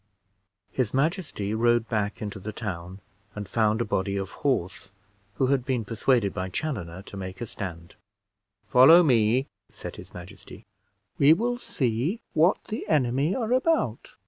His majesty rode back into the town, and found a body of horse, who had been persuaded by Chaloner to make a stand. "Follow me," said his majesty; "we will see what the enemy are about.